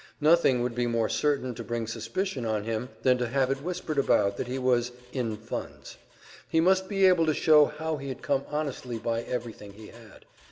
Nothing would be more certain to bring suspicion on him than to have it whispered about that he was "in funds." He must be able to show how he had come honestly by everything he had.